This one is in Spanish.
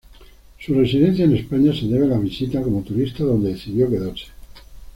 Su residencia en España se debe a la visita como turista, dónde decidió quedarse.